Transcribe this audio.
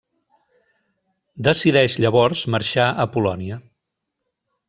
Decideix llavors marxar a Polònia.